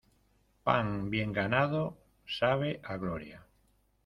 Pan bien ganado, sabe a gloria.